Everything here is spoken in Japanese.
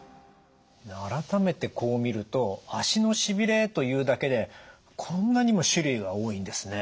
改めてこう見ると足のしびれというだけでこんなにも種類が多いんですね。